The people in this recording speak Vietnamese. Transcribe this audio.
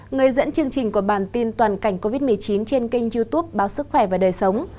người dẫn chương trình của bản tin toàn cảnh covid một mươi chín trên kênh youtube báo sức khỏe và đời sống